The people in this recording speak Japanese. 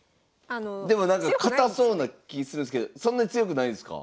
でもなんか堅そうな気するんですけどそんなに強くないんすか？